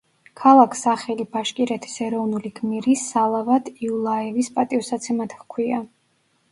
ქალაქ სახელი ბაშკირეთის ეროვნული გმირის სალავატ იულაევის პატივსაცემად ჰქვია.